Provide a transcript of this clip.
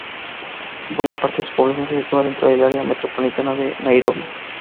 Buena parte de su población se sitúa dentro del área metropolitana de Nairobi.